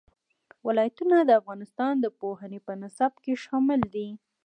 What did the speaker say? ولایتونه د افغانستان د پوهنې په نصاب کې دي.